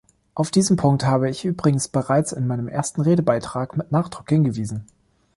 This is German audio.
Auf diesen Punkt habe ich übrigens bereits in meinem ersten Redebeitrag mit Nachdruck hingewiesen.